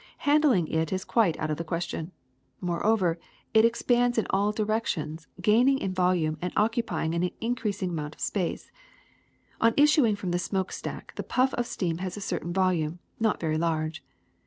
Handling it is quite out of the question. Moreover, it expands in all directions, gaining in volume and occupying an in creasing amount of space. On issuing from the smoke stack the puif of steam had a certain volume, not very large.